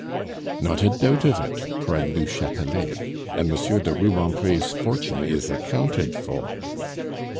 "Not a doubt of it," cried du Chatelet, "and Monsieur du Rubempre's fortune is accounted for."